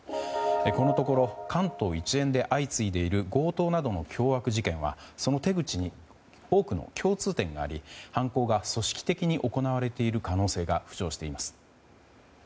このところ関東一連で相次いでいる、強盗などの凶悪事件はその手口に多くの共通点があり犯行が組織的に行われている可能性が浮上しています。